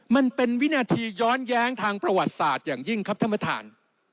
มันเป็นวินาทีย้อนแย้งทางประวัติศาสตร์อย่างยิ่งครับท่านประธาน